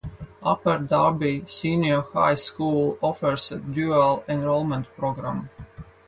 Upper Darby Senior High School offers a dual enrollment program.